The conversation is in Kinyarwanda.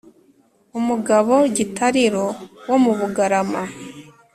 umugabo gitariro wo mu bugarama